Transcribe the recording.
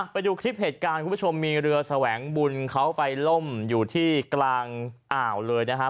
ไปดูคลิปเหตุการณ์คุณผู้ชมมีเรือแสวงบุญเขาไปล่มอยู่ที่กลางอ่าวเลยนะครับ